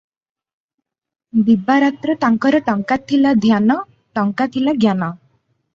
"ଦିବା-ରାତ୍ର ତାଙ୍କର ଟଙ୍କା ଥିଲା ଧ୍ୟାନ - ଟଙ୍କା ଥିଲା ଜ୍ଞାନ ।